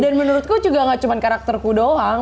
dan menurutku juga nggak cuma karakterku doang